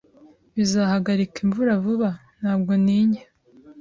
"Bizahagarika imvura vuba?" "Ntabwo ntinya."